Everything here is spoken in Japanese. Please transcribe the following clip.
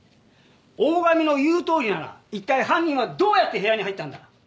大上の言うとおりなら一体犯人はどうやって部屋に入ったんだ？